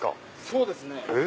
そうですね